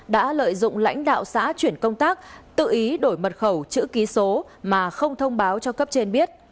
đã lợi dụng lãnh đạo xã chuyển công tác tự ý đổi mật khẩu chữ ký số mà không thông báo cho cấp trên biết